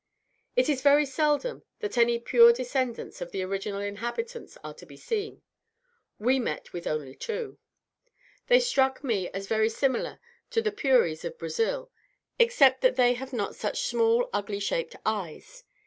It is very seldom that any pure descendants of the original inhabitants are to be seen; we met with only two. They struck me as very similar to the Puris of Brazil, except that they have not such small ugly shaped eyes.